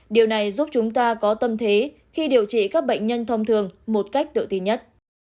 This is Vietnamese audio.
điều này giúp chúng ta có tâm thế khi điều trị các bệnh nhân thông thường một cách tự tin nhất